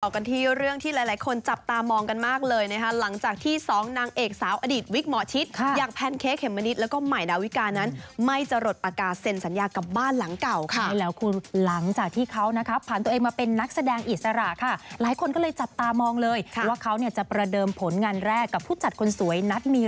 กันที่เรื่องที่หลายหลายคนจับตามองกันมากเลยนะคะหลังจากที่สองนางเอกสาวอดีตวิกหมอชิตอย่างแพนเค้กเมมะนิดแล้วก็ใหม่ดาวิกานั้นไม่จะหลดประกาศเซ็นสัญญากับบ้านหลังเก่าค่ะนี่แหละคุณหลังจากที่เขานะคะผ่านตัวเองมาเป็นนักแสดงอิสระค่ะหลายคนก็เลยจับตามองเลยว่าเขาเนี่ยจะประเดิมผลงานแรกกับผู้จัดคนสวยนัดมี